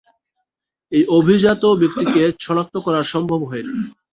এই অভিজাত ব্যক্তিকে শনাক্ত করা সম্ভব হয়নি।